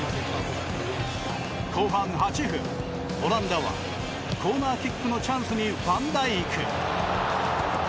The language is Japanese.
後半８分、オランダはコーナーキックのチャンスにファンダイク。